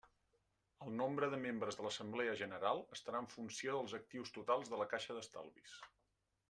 El nombre de membres de l'assemblea general estarà en funció dels actius totals de la caixa d'estalvis.